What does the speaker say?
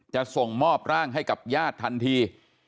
จะส่งมอบร่างให้กับญาติทันที